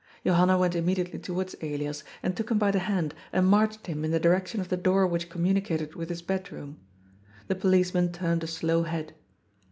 Johanna went immediately towards Elias and took him by the hand and marched him in the direction of the door which communicated with his bedroom. The policeman turned a slow head.